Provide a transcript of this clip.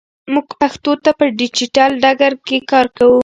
موږ پښتو ته په ډیجیټل ډګر کې کار کوو.